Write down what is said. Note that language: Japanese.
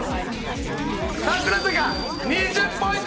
櫻坂２０ポイント！